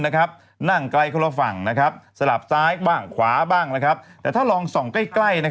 นั่งไกลคนละฝั่งสลับซ้ายบ้างขวาบ้างแต่ถ้าลองส่องใกล้